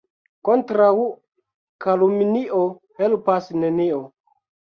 Kontraŭ kalumnio helpas nenio.